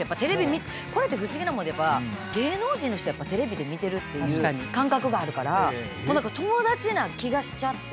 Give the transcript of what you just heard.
これって不思議なものでやっぱ芸能人の人はテレビで見てるっていう感覚があるから友達な気がしちゃって。